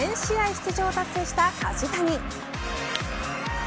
出場を達成した梶谷。